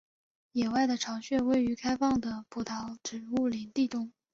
野外的巢穴位于开放的匍匐植物林地中。